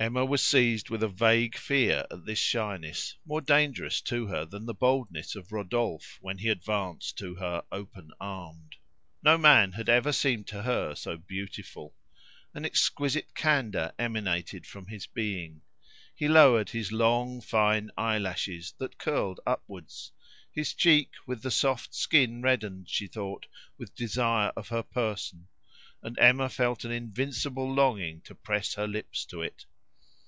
Emma was seized with a vague fear at this shyness, more dangerous to her than the boldness of Rodolphe when he advanced to her open armed. No man had ever seemed to her so beautiful. An exquisite candour emanated from his being. He lowered his long fine eyelashes, that curled upwards. His cheek, with the soft skin reddened, she thought, with desire of her person, and Emma felt an invincible longing to press her lips to it.